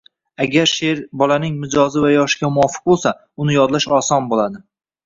Agar sheʼr bolaning mijozi va yoshiga muvofiq bo‘lsa, uni yodlash oson bo‘ladi.